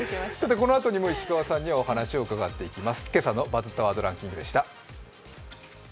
このあとにも石川さんにはお話を伺っていきます。